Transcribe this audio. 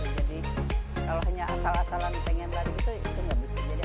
jadi kalau hanya asal asalan pengen lari itu nggak bisa jadi